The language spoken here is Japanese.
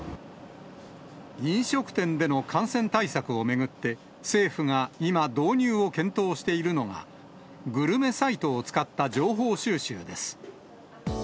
飲食店での感染対策を巡って、政府が今、導入を検討しているのが、グルメサイトを使った情報収集です。